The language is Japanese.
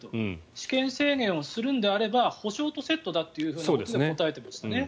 私権制限をするんであれば補償とセットだと答えているんですね。